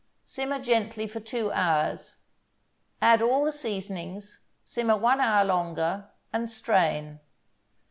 Simmer gently for two hours. Add all the seasonings, simmer one hour longer, and strain.